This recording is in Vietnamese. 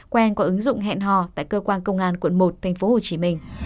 quen có ứng dụng hẹn hò tại cơ quan công an quận một tp hcm